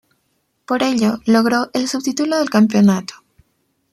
Por ello, logró el subtítulo del campeonato.